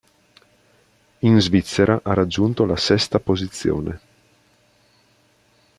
In Svizzera ha raggiunto la sesta posizione.